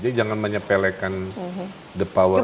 jadi jangan menyepelekkan the power of a place